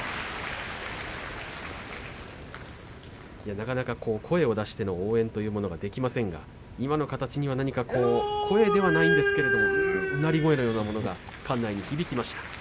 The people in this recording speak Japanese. なかなか声を出しての応援というものができませんが今の形には何か声ではないんですけれどもうなり声のようなものが館内に響きました。